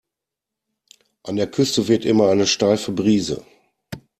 An der Küste weht immer eine steife Brise.